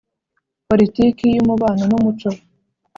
Poritiki y umubano n umuco